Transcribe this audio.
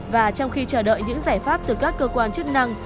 và trong khi chờ đợi những giải pháp từ các cơ quan chức năng